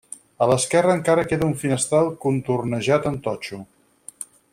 A l'esquerra encara queda un finestral contornejat amb totxo.